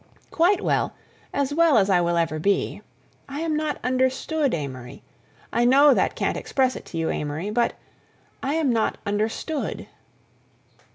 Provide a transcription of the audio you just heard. "Quite well—as well as I will ever be. I am not understood, Amory. I know that can't express it to you, Amory, but—I am not understood."